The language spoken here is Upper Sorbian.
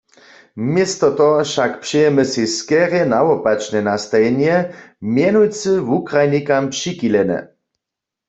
Město toho wšak přejemy sej skerje nawopačne nastajenje, mjenujcy wukrajnikam přichilene.